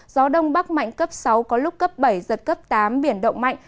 gió đông bắc mạnh cấp sáu có lúc cấp bảy giật cấp tám biển động mạnh